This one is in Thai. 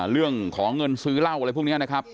เรื่องของเงินซื้อเหล้าอะไรพวกนี้นะครับ